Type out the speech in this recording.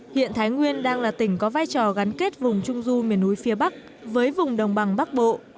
hiện thái nguyên đang là tỉnh có vai trò gắn kết vùng trung du miền núi phía bắc với vùng đồng bằng bắc bộ